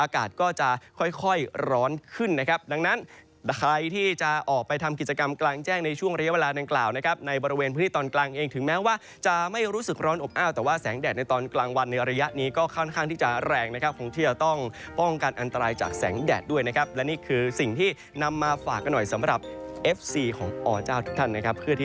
อากาศก็จะค่อยร้อนขึ้นนะครับดังนั้นใครที่จะออกไปทำกิจกรรมกลางแจ้งในช่วงระยะเวลาดังกล่าวนะครับในบริเวณพื้นที่ตอนกลางเองถึงแม้ว่าจะไม่รู้สึกร้อนอบอ้าวแต่ว่าแสงแดดในตอนกลางวันในระยะนี้ก็ค่อนข้างที่จะแรงนะครับคงที่จะต้องป้องกันอันตรายจากแสงแดดด้วยนะครับและนี่คือสิ่งที่นำมาฝากกันหน่อยสำหรับเอฟซีของอเจ้าทุกท่านนะครับ